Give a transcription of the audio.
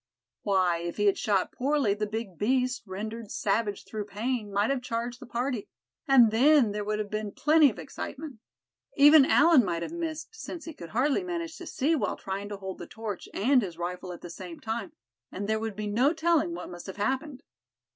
Why, if he had shot poorly, the big beast, rendered savage through pain, might have charged the party; and then there would have been plenty of excitement. Even Allan might have missed, since he could hardly manage to see while trying to hold the torch, and his rifle at the same time; and there would be no telling what must have happened.